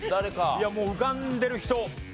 いやもう浮かんでる人？